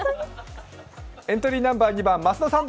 エントリーナンバー２番増田さん